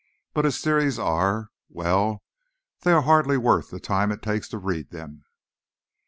But his theories are— well, they are hardly worth the time it takes to read them."